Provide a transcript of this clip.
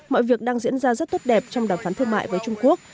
mọi việc đang diễn ra rất tốt đẹp trong đàm phán thương mại với trung quốc